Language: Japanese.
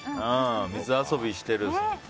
水遊びしてる。